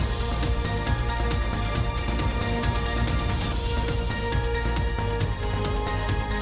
สวัสดีค่ะ